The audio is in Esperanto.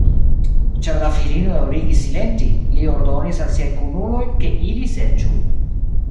Ĉar la virino daŭrigis silenti, li ordonis al siaj kunuloj, ke ili serĉu.